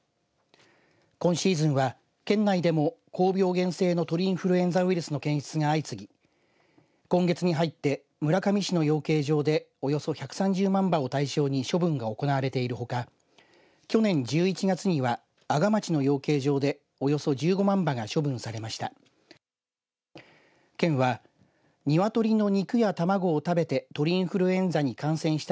今シーズンは県内でも高病原性の鳥インフルエンザウイルスの検出が相次ぎ今月に入って村上市の養鶏場でおよそ１３０万羽を対象に処分が行われているほか去年１１月には阿賀町の養鶏場でおよそ１５万羽が処分されました。